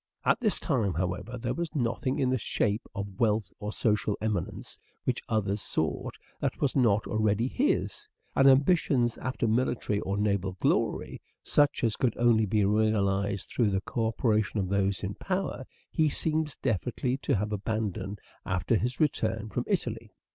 At this time, however, there was nothing in the shape of wealth or social eminence, which others sought that was not already his ; and ambitions after military or naval glory, such as could only be realized through the co operation of those in power, he seems definitely to have abandoned after his return from Italy.